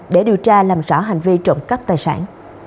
để điều tra làm rõ hành vi trộm cắp tài sản